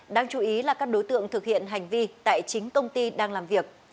đáng chú ý là các đối tượng thực hiện hành vi tại chính công ty đang làm việc